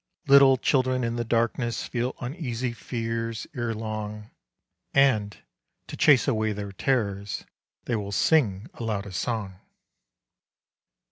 Little children in the darkness Feel uneasy fears erelong, And, to chase away their terrors, They will sing aloud a song.